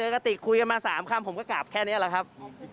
ปกติคุยกันมา๓คำผมก็กลับแค่นี้แหละครับ